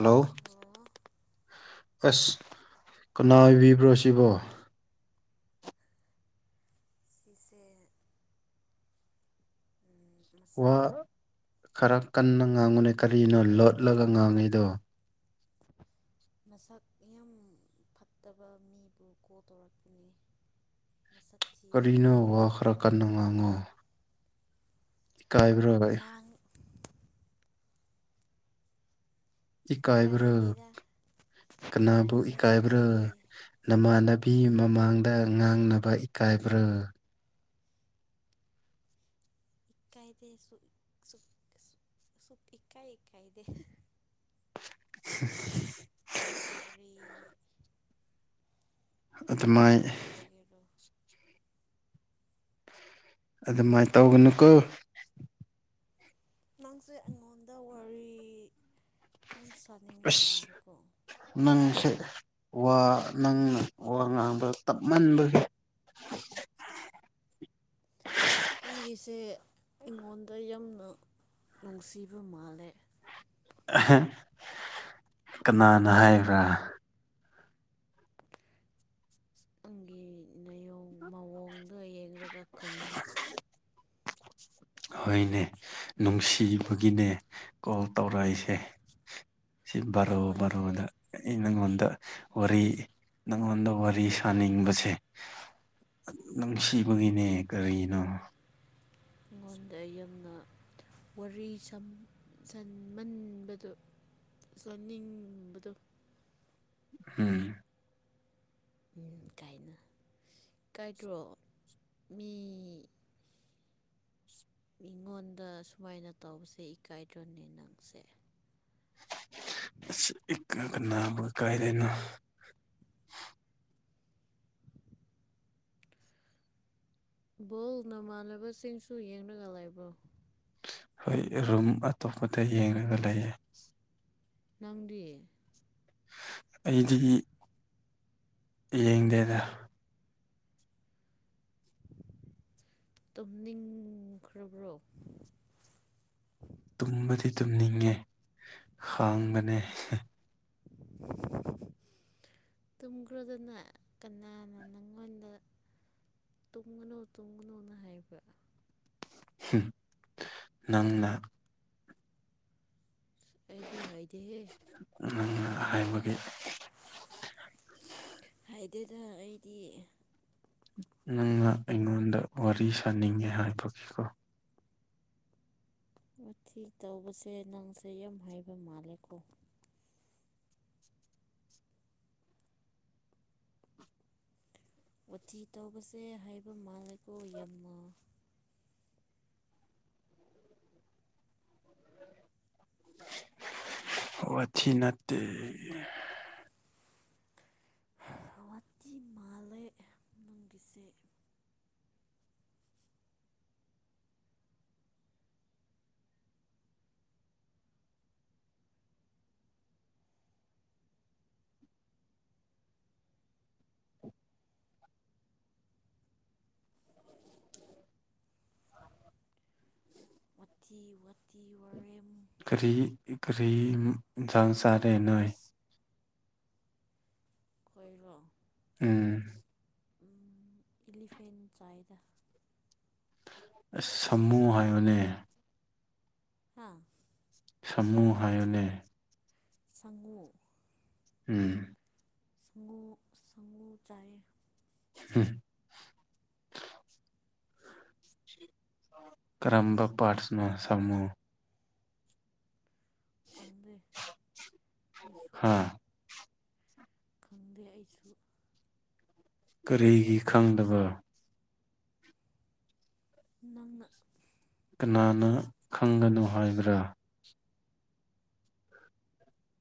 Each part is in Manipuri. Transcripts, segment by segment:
ꯍꯜꯂꯣ ꯍꯜꯂꯣ ꯑꯁ ꯀꯅꯥ ꯑꯣꯏꯕꯤꯕ꯭ꯔꯣ ꯁꯤꯕꯣ ꯁꯤꯁꯦ ꯎꯝ ꯋꯥ ꯈꯔ ꯀꯟꯅ ꯉꯥꯡꯉꯨꯅꯦ ꯀꯔꯤꯅꯣ ꯂꯣꯠꯂꯒ ꯉꯥꯡꯉꯤꯗꯣ [inaudible] ꯃꯁꯛ ꯌꯥꯝ ꯐꯠꯇꯕ ꯃꯤꯕꯨ ꯀꯣꯜ ꯇꯧꯔꯛꯄꯅꯦ ꯃꯁꯛ ꯊꯤꯕ ꯀꯔꯤꯅꯣ ꯃꯥꯕꯨ ꯋꯥ ꯀꯣꯜ ꯈꯔ ꯇꯧ ꯀꯟꯅ ꯉꯥꯡꯉꯣ ꯏꯀꯥꯏꯕ꯭ꯔꯣ [inaudible] ꯏꯀꯥꯏꯕ꯭ꯔꯣ ꯏꯀꯥꯏꯗꯦꯗ ꯀꯅꯥꯕꯨ ꯏꯀꯥꯏꯗꯦ ꯏꯀꯥꯏꯕ꯭ꯔꯣ ꯏꯀꯥꯏꯗꯦ ꯅꯃꯥꯟꯅꯕꯤ ꯃꯃꯥꯡꯗ ꯉꯥꯡꯅꯕ ꯏꯀꯥꯏꯕ꯭ꯔꯣ ꯏꯀꯥꯏꯗꯦ ꯁꯨꯞ ꯁꯨꯞ ꯁꯨꯞ ꯏꯀꯥꯏ ꯏꯀꯥꯏꯗꯦ [inaudible] ꯀꯔꯤ ꯑꯗꯨꯃꯥꯏ ꯀꯅꯥꯕꯨ ꯏꯀꯥꯏꯒꯦꯔꯣ ꯑꯗꯨꯃꯥꯏꯅ ꯇꯧꯒꯅꯨꯀꯣ ꯅꯪꯁꯦ ꯑꯩꯉꯣꯟꯗ ꯋꯥꯔꯤ ꯌꯥꯝ ꯁꯥꯅꯤꯡꯕ ꯑꯁ ꯃꯥꯜꯂꯦꯀꯣ ꯅꯪꯁꯦ ꯋꯥ ꯅꯪꯅ ꯋꯥ ꯉꯥꯡꯕ ꯇꯞꯃꯟꯕꯒꯤ ꯅꯪꯒꯤꯁꯦ ꯑꯩꯉꯣꯟꯗ ꯌꯥꯝꯅ ꯅꯨꯡꯁꯤꯕ ꯃꯥꯜꯂꯦ ꯀꯅꯥꯅ ꯍꯥꯏꯕ꯭ꯔꯥ [unintelligible] ꯅꯌꯣꯡ ꯃꯑꯣꯡꯗꯣ ꯌꯦꯡꯔꯒ ꯈꯪꯉꯦ ꯍꯣꯏꯅꯦ ꯅꯨꯡꯁꯤꯕꯒꯤꯅꯦ ꯀꯣꯜ ꯇꯧꯔꯛꯏꯁꯦ ꯁꯤ ꯕꯥꯔꯣ ꯕꯥꯔꯣꯗ ꯑꯩꯉꯣꯟꯗ ꯑꯩ ꯅꯪꯉꯣꯟꯗ ꯋꯥꯔꯤ ꯅꯪꯉꯣꯟꯗ ꯋꯥꯔꯤ ꯁꯥꯅꯤꯡꯕꯁꯦ ꯅꯨꯡꯁꯤꯕꯒꯤꯅꯦ ꯀꯔꯤꯅꯣ ꯑꯩꯉꯣꯟꯗ ꯌꯥꯝꯅ ꯋꯥꯔꯤ ꯁꯝ ꯁꯃꯟꯕꯗꯣ ꯁꯥꯅꯤꯡꯕꯗꯣ ꯎꯝ ꯎꯝ ꯀꯥꯏꯅ ꯀꯥꯏꯗ꯭ꯔꯣ ꯃꯤ ꯃꯤꯉꯣꯟꯗ ꯁꯨꯃꯥꯏꯅ ꯇꯧꯕꯁꯦ ꯏꯀꯥꯏꯗ꯭ꯔꯣꯅꯦ ꯅꯪꯁꯦ ꯑꯁ ꯏꯀꯥ ꯀꯅꯥꯕꯨ ꯏꯀꯥꯏꯗꯣꯏꯅꯣ ꯕꯣꯜ ꯅꯃꯥꯟꯅꯕꯁꯤꯡꯁꯨ ꯌꯦꯡꯂꯒ ꯂꯩꯕ꯭ꯔꯣ ꯍꯣꯏ ꯔꯨꯝ ꯑꯇꯣꯞꯄꯗ ꯌꯦꯡꯔꯒ ꯂꯩꯌꯦ ꯅꯪꯗꯤ ꯑꯩꯗꯤ ꯌꯦꯡꯗꯦꯗ ꯇꯨꯝꯅꯤꯡꯈ꯭ꯔꯕ꯭ꯣ ꯇꯨꯝꯕꯗꯤ ꯇꯨꯝꯅꯤꯡꯉꯦ ꯈꯥꯡꯕꯅꯦ ꯇꯨꯝꯈ꯭ꯔꯣꯗꯅ ꯀꯅꯥꯅ ꯅꯪꯉꯣꯟꯗ ꯇꯨꯡꯒꯅꯨ ꯇꯨꯡꯒꯅꯨꯅ ꯍꯥꯏꯕ ꯅꯪꯅ ꯑꯩꯗꯤ ꯍꯥꯏꯗꯦꯍꯦ ꯅꯪꯅ ꯍꯥꯏꯕꯒꯤ ꯍꯥꯏꯗꯦꯗ ꯑꯩꯗꯤ ꯅꯪꯅ ꯑꯩꯉꯣꯟꯗ ꯋꯥꯔꯤ ꯁꯥꯅꯤꯡꯉꯦ ꯍꯥꯏꯕꯒꯤꯀꯣ ꯋꯥꯊꯤ ꯇꯧꯕꯁꯦ ꯅꯪꯁꯦ ꯌꯥꯝ ꯍꯩꯕ ꯃꯥꯜꯂꯦꯀꯣ ꯋꯥꯊꯤ ꯇꯧꯕꯁꯦ ꯍꯩꯕ ꯃꯥꯜꯂꯦꯀꯣ ꯌꯥꯝꯅ ꯋꯥꯊꯤ ꯅꯠꯇꯦ ꯋꯥꯊꯤ ꯃꯥꯜꯂꯦ ꯅꯪꯒꯤꯁꯦ ꯋꯥꯇꯤ ꯋꯥꯇꯤ ꯋꯥꯔꯦꯝ ꯀꯔꯤ ꯀꯔꯤ ꯏꯟꯁꯥꯡ ꯆꯥꯔꯦ ꯅꯣꯏ ꯈꯣꯏꯔꯣ ꯎꯝ ꯎꯝ ꯑꯦꯂꯤꯐꯦꯟ ꯆꯥꯏꯗ ꯑꯁ ꯁꯃꯨ ꯍꯥꯏꯌꯨꯅꯦ ꯍꯥꯥ ꯁꯃꯨ ꯍꯥꯏꯌꯣꯅꯦ ꯁꯪꯉꯨ ꯎꯝ ꯁꯉꯨ ꯁꯉꯨ ꯆꯥꯏꯌꯦ ꯍꯝ ꯀꯔꯝꯕ ꯄ꯭ꯔꯥꯠꯁꯅꯣ ꯁꯃꯨ ꯈꯪꯗꯦ ꯑꯩꯁꯨ ꯍꯥ ꯈꯪꯗꯦ ꯑꯩꯁꯨ ꯀꯔꯤꯒꯤ ꯈꯪꯗꯕ ꯅꯪꯅ ꯀꯅꯥꯅ ꯈꯪꯒꯅꯨ ꯍꯥꯏꯕ꯭ꯔꯥ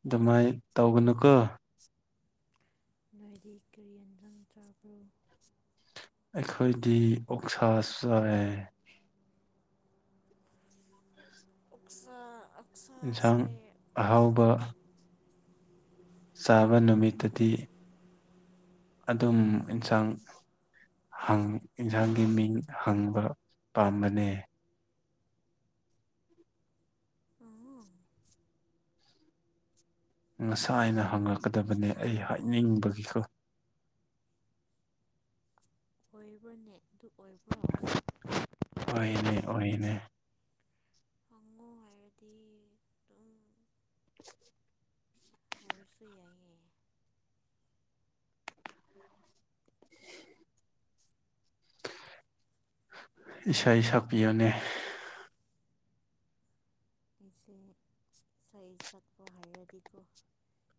ꯑꯗꯨꯃꯥꯏ ꯇꯧꯒꯅꯨꯀꯣ ꯅꯣꯏꯗꯤ ꯀꯔꯤ ꯌꯦꯟꯖꯥꯡ ꯆꯥꯕ꯭ꯔꯣ ꯑꯩꯈꯣꯏꯗꯤ ꯑꯣꯛꯁꯥ ꯆꯥꯏꯌꯦ ꯑꯣꯛꯁꯥ ꯏꯟꯁꯥꯡ ꯑꯣꯛꯁꯥꯁꯦ ꯑꯍꯥꯎꯕ ꯆꯥꯕ ꯅꯨꯃꯤꯠꯇꯗꯤ ꯑꯗꯨꯝ ꯏꯟꯁꯥꯡ ꯍꯪ ꯌꯦꯟꯁꯥꯡꯒꯤ ꯃꯤꯡ ꯍꯪꯕ ꯄꯥꯝꯕꯅꯦ ꯑꯣ ꯉꯁꯥꯏꯅ ꯍꯪꯪꯂꯛꯀꯗꯕꯅꯦ ꯑꯩ ꯍꯥꯏꯅꯤꯡꯕꯒꯤꯀꯣ ꯑꯣꯏꯕ꯭ꯔꯣꯅꯦ ꯑꯗꯨ ꯑꯣꯏꯕ꯭ꯔꯣ ꯑꯣꯏꯅꯦ ꯑꯣꯏꯅꯦ ꯍꯪꯉꯨ ꯍꯥꯏꯔꯗꯤ ꯑꯗꯨꯝ [unintelligible] ꯍꯥꯏꯔꯁꯨ ꯌꯥꯏꯌꯦ ꯏꯁꯩ ꯁꯛꯄꯤꯌꯨꯅꯦ ꯑꯩꯁꯦ ꯏꯁꯩ ꯁꯛꯄ ꯍꯥꯏꯔꯗꯤꯀꯣ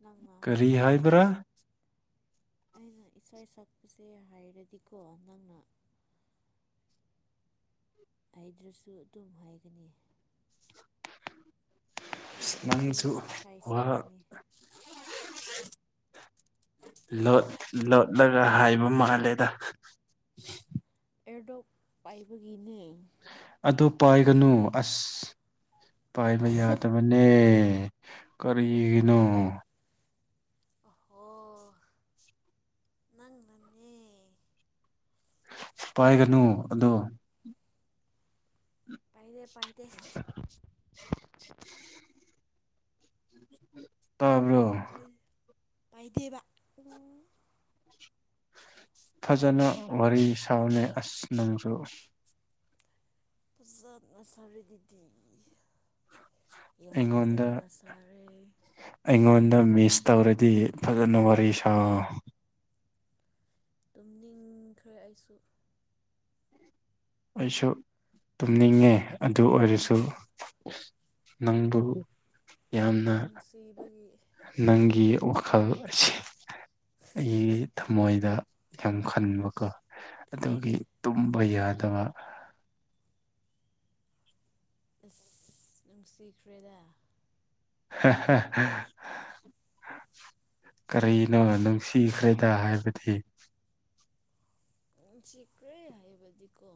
ꯅꯪꯅ ꯀꯔꯤ ꯍꯥꯏꯗ꯭ꯔꯁꯨ ꯍꯥꯏꯕ꯭ꯔꯥ ꯑꯩꯅ ꯏꯁꯩ ꯁꯛꯄꯁꯦ ꯍꯥꯏꯔꯗꯤꯀꯣ ꯅꯪꯅ ꯍꯥꯏꯗ꯭ꯔꯁꯨ ꯑꯗꯨꯝ ꯍꯥꯏꯒꯅꯤ ꯑꯁ ꯑꯗꯨꯝ ꯅꯪꯁꯨ ꯏꯁꯥ ꯋꯥ ꯁꯥꯛꯀꯅꯤ ꯂꯣꯠ ꯂꯣꯠꯂꯒ ꯍꯥꯏꯕ ꯃꯥꯜꯂꯦꯗ ꯑꯦꯔꯗꯣꯛ ꯄꯥꯏꯕꯒꯤꯅꯦ꯫ ꯑꯗꯨ ꯄꯥꯏꯒꯅꯨ ꯑꯁ ꯄꯥꯏꯕ ꯌꯥꯗꯕ ꯑꯦ ꯀꯔꯤꯅꯣ ꯑꯣꯍꯣ ꯅꯪꯅꯅꯦ ꯄꯥꯏꯒꯅꯨ ꯑꯗꯣ ꯄꯥꯏꯗꯦ ꯄꯥꯏꯗꯦ [unintelligible] [inaudible] ꯇꯥꯕ꯭ꯔꯣ ꯄꯥꯢ ꯄꯥꯏꯗꯦꯕ ꯑꯣ ꯐꯖꯅ ꯋꯥꯔꯤ ꯁꯥꯕꯅꯦ ꯑꯁ ꯅꯪꯁꯨ ꯐꯖꯅ ꯁꯔꯤꯗꯨꯗꯤ ꯌꯥꯝ ꯑꯩꯉꯣꯟꯗ ꯐꯖꯅ ꯁꯥꯔꯦ꯫ ꯑꯩꯉꯣꯟꯗ ꯃꯤꯁ ꯇꯧꯔꯗꯤ ꯐꯖꯅ ꯋꯥꯔꯤ ꯁꯥꯥꯎ ꯇꯨꯝꯅꯤꯡꯈ꯭ꯔꯦ ꯑꯩꯁꯨ ꯑꯩꯁꯨ ꯇꯨꯝꯅꯤꯡꯉꯦ ꯑꯗꯨ ꯑꯣꯏꯔꯁꯨ ꯅꯪꯕꯨ ꯌꯥꯝꯅ ꯅꯨꯡꯁꯤꯕꯒꯤ ꯅꯪꯒꯤ ꯋꯥꯈꯜ ꯑꯁꯤ ꯑꯩꯒꯤ ꯊꯃꯣꯏꯗ ꯌꯥꯝ ꯈꯟꯕꯀꯣ ꯑꯗꯨꯒꯤ ꯇꯨꯝꯕ ꯌꯥꯗꯕ ꯑꯁ ꯅꯨꯡꯁꯤꯈ꯭ꯔꯦꯗ [unintelligible] ꯀꯔꯤꯅꯣ ꯅꯨꯡꯁꯤꯈ꯭ꯔꯦꯗ ꯍꯥꯏꯕꯗꯤ ꯅꯨꯡꯁꯤꯈ꯭ꯔꯦ ꯍꯥꯏꯕꯗꯤꯀꯣ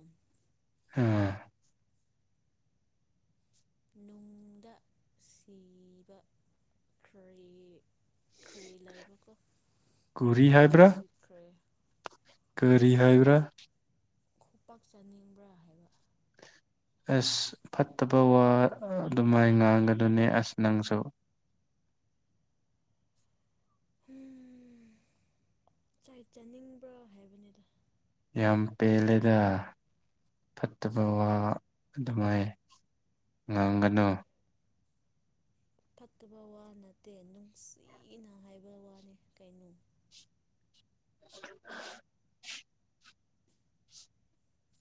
ꯑꯥ ꯅꯨꯡꯗ ꯁꯤꯕ ꯈ꯭ꯔꯦ ꯈ꯭ꯔꯤ ꯂꯩꯕꯀꯣ ꯀꯨꯔꯤ ꯑꯗꯨꯒꯤ ꯍꯥꯏꯕ꯭ꯔꯥ ꯅꯨꯡꯁꯤꯈ꯭ꯔꯦ ꯀꯔꯤ ꯍꯥꯏꯕ꯭ꯔꯥ ꯈꯨꯄꯥꯛ ꯆꯥꯅꯤꯡꯕ꯭ꯔꯥ ꯍꯥꯏꯕ ꯑꯁ ꯐꯠꯇꯕ ꯋꯥ ꯑꯗꯨꯃꯥꯏ ꯉꯥꯡꯒꯗꯨꯅꯦ ꯑꯁ ꯅꯪꯁꯨ ꯎꯝ ꯆꯩ ꯆꯥꯅꯤꯡꯕ꯭ꯔꯣ ꯍꯥꯏꯕꯅꯤꯗ ꯌꯥꯝ ꯄꯦꯜꯂꯦꯗ ꯐꯠꯇꯕ ꯋꯥ ꯑꯗꯨꯃꯥꯏ ꯉꯥꯡꯒꯅꯨ ꯐꯠꯇꯕ ꯋꯥ ꯅꯠꯇꯦ ꯅꯨꯡꯁꯤꯅ ꯍꯥꯏꯕ ꯋꯥꯅꯤ ꯀꯩꯅꯣ ꯍꯥ [unintelligible]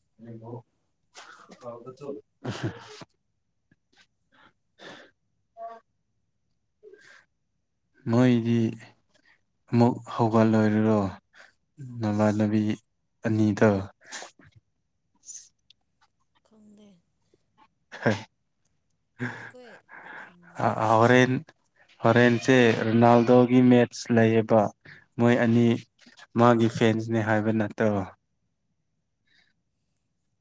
[unintelligible] [inaudible] ꯅꯣꯏꯗꯤ ꯑꯃꯨꯛ ꯍꯧꯒꯠꯂꯣꯏꯔꯔꯣ ꯅꯃꯥꯟꯅꯕꯤ ꯑꯅꯤꯗꯣ ꯈꯪꯗꯦ ꯑꯩꯈꯣꯏ ꯍ ꯑꯥ ꯍꯣꯔꯦꯟ ꯍꯣꯔꯦꯟꯁꯦ ꯔꯣꯅꯥꯜꯗꯣꯒꯤ ꯃꯦꯠꯁ ꯂꯩꯌꯦꯕ ꯃꯣꯏ ꯑꯅꯤ ꯃꯥꯒꯤ ꯐꯦꯟꯁꯅꯦ ꯍꯥꯏꯕ ꯅꯠꯇ꯭ꯔꯣ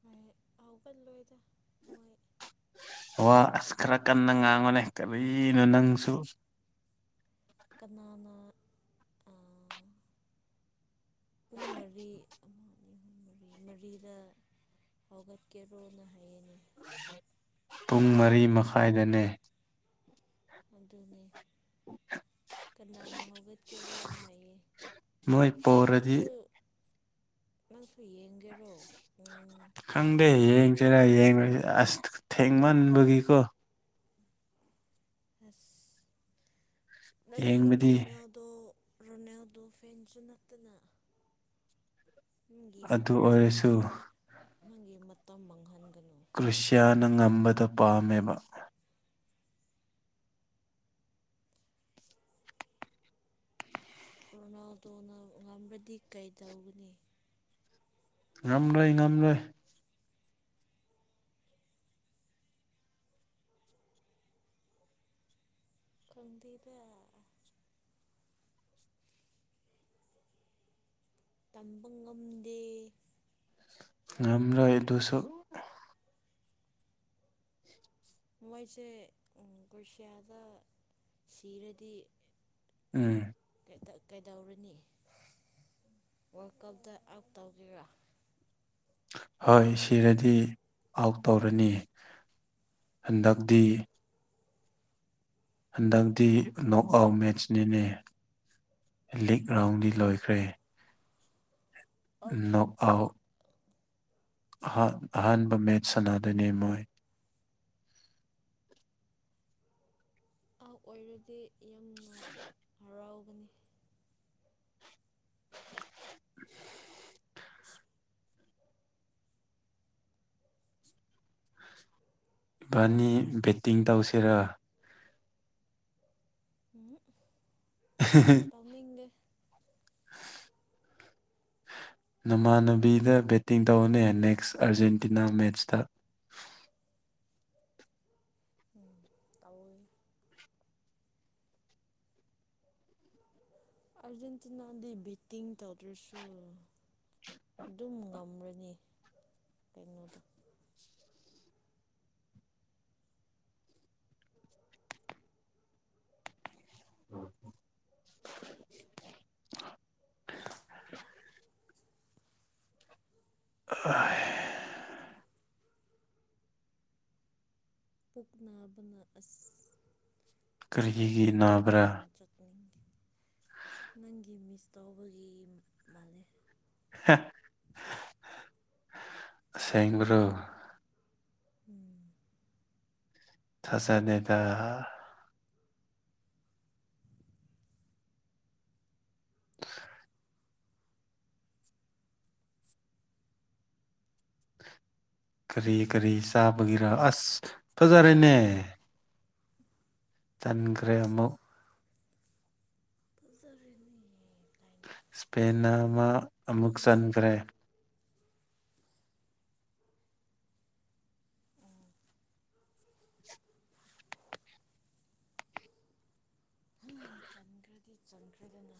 ꯃꯥꯏ ꯍꯧꯒꯠꯂꯣꯢꯗ ꯃꯣꯏ ꯋꯥ ꯑꯁ ꯈꯔ ꯀꯟꯅ ꯉꯥꯡꯉꯣꯅꯦ ꯀꯔꯤꯅꯣ ꯅꯪꯁꯨ ꯀꯅꯥꯅ ꯑꯥ ꯄꯨꯡ ꯃꯔꯤ ꯑꯃ ꯑꯅꯤꯍꯨꯝ ꯃꯔꯤ ꯃꯔꯤꯗ ꯍꯧꯒꯠꯀꯦꯔꯣꯅ ꯍꯥꯏꯌꯦꯅꯦ ꯄꯨꯡ ꯃꯔꯤ ꯃꯈꯥꯏꯗꯅꯦ ꯑꯗꯨꯅꯦ ꯀꯅꯥꯅ ꯍꯧꯒꯠꯀꯦꯔꯣꯅ ꯍꯥꯏꯌꯦ ꯃꯣꯏ ꯄꯣꯔꯗꯤ ꯅꯪꯁꯨ ꯅꯪꯁꯨ ꯌꯦꯡꯒꯦꯔꯣ ꯄꯨꯡ ꯈꯪꯗꯦ ꯃꯔꯤꯒꯤ ꯌꯦꯡꯁꯤꯔꯥ ꯃꯦꯠꯁꯇꯣ ꯌꯦꯡꯔꯣꯢꯁꯤꯔ ꯑꯁ ꯊ ꯊꯦꯡꯃꯟꯕꯒꯤꯀꯣ ꯑꯁ ꯅꯪꯗꯤ ꯌꯦꯡꯕꯗꯤ ꯔꯣꯅꯥꯜ ꯗꯣ ꯔꯣꯅꯥꯜꯗꯣ ꯐꯦꯟꯁꯨ ꯅꯠꯇꯅ ꯅꯪꯒꯤ ꯃꯠ ꯑꯗꯨ ꯅꯪꯒꯤ ꯑꯣꯏꯔꯁꯨ ꯅꯪꯒꯤ ꯃꯇꯝ ꯃꯥꯡꯍꯟꯒꯅꯨ ꯀ꯭ꯔꯨꯁꯤꯌꯥꯅ ꯉꯝꯕꯗꯣ ꯄꯥꯝꯃꯦꯕ ꯔꯣꯅꯥꯜꯗꯣꯅ ꯉꯝꯔꯗꯤ ꯀꯩꯗꯧꯒꯅꯤ ꯉꯝꯂꯣꯏ ꯉꯝꯂꯣꯏ ꯈꯪꯗꯦꯕ ꯇꯝꯕ ꯉꯝꯗꯦ ꯉꯝꯂꯣꯏ ꯑꯗꯨꯁꯨ ꯃꯣꯏꯁꯦ ꯎꯝ ꯀꯣꯔꯁꯤꯌꯥꯗ ꯁꯤꯔꯗꯤ ꯎꯝ ꯀꯩꯇ ꯀꯩꯗꯧꯔꯅꯤ ꯋꯥꯔꯜ ꯀꯞꯇ ꯑꯥꯎꯞ ꯇꯧꯒꯦꯔꯥ ꯍꯣꯏ ꯁꯤꯔꯗꯤ ꯑꯥꯎꯠ ꯇꯧꯔꯅꯤ ꯍꯟꯗꯛꯇꯤ ꯍꯟꯗꯛꯇꯤ ꯅꯣꯛ ꯑꯥꯎꯠ ꯃꯦꯠꯆꯅꯤꯅꯦ ꯂꯤꯛ ꯔꯥꯎꯟꯗꯤ ꯂꯣꯏꯈ꯭ꯔꯦ ꯅꯣꯛ ꯑꯥꯎꯠ ꯑꯍꯥ ꯑꯍꯥꯟꯕ ꯃꯦꯠꯁ ꯁꯟꯅꯥꯗꯣꯏꯅꯦ ꯃꯣꯏ ꯑꯥꯎꯠ ꯑꯣꯏꯔꯗꯤ ꯌꯥꯝꯅ ꯍꯔꯥꯎꯒꯅꯤ [unintelligible] ꯏꯕꯥꯅꯤ ꯕꯦꯇꯤꯡ ꯇꯧꯁꯤꯔꯥ ꯎꯝ ꯍꯨꯞ [unintelligible] ꯇꯧꯅꯤꯡꯗꯦ [unintelligible] ꯅꯃꯥꯟꯅꯕꯤꯗ ꯕꯦꯠꯇꯤꯡ ꯇꯧꯅꯦ ꯅꯦꯛꯁ ꯑꯥꯔꯖꯦꯟꯇꯤꯅꯥ ꯃꯦꯠꯁꯇ ꯎꯝ ꯇꯧꯒꯦ ꯑꯔꯖꯦꯟꯇꯤꯅꯥꯗꯤ ꯕꯦꯇꯤꯡ ꯇꯧꯗ꯭ꯔꯁꯨ ꯑꯗꯨꯝ ꯉꯝꯔꯅꯤ ꯀꯩꯅꯣꯗꯣ ꯎ [unintelligible] ꯑ ꯄꯨꯛ ꯅꯥꯕꯅ ꯑꯁ ꯇꯣꯏꯂꯦꯠ ꯀꯔꯤꯒꯤ ꯑꯝꯇ ꯅꯥꯕ꯭ꯔꯥ ꯆꯥꯡ ꯆꯪꯅꯤꯡꯑꯦ ꯅꯪꯒꯤ ꯃꯤꯁ ꯇꯧꯕꯒꯤ ꯃꯥꯜꯂꯦ ꯑꯁꯦꯡꯕꯥꯔꯣ ꯎꯝ ꯊꯖꯗꯦꯗꯥ ꯀꯔꯤ ꯀꯔꯤ ꯆꯥꯕꯒꯤꯔ ꯑꯁ ꯐꯖꯔꯦꯅꯦ ꯇꯟꯈ꯭ꯔꯦ ꯑꯃꯨꯛ ꯐꯖꯔꯤꯅꯦ ꯏꯁꯄꯦꯟ ꯅꯥ ꯑꯃ ꯑꯃꯨꯛ ꯆꯟꯈ꯭ꯔꯦ ꯆꯟꯈ꯭ꯔꯗꯤ ꯆꯟꯈ꯭ꯔꯦꯗꯅ